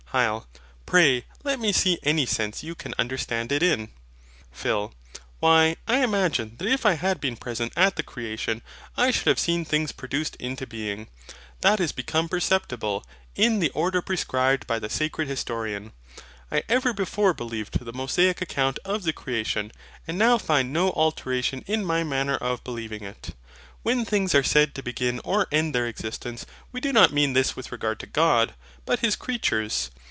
HYL. Pray let me see any sense you can understand it in. PHIL. Why, I imagine that if I had been present at the creation, I should have seen things produced into being that is become perceptible in the order prescribed by the sacred historian. I ever before believed the Mosaic account of the creation, and now find no alteration in my manner of believing it. When things are said to begin or end their existence, we do not mean this with regard to God, but His creatures.